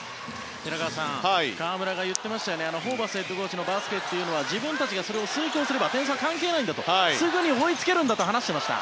寺川さん、河村が言ってましたホーバスヘッドコーチというのは自分たちがそれを遂行すれば点差は関係ないんだとすぐに追いつけると話していました。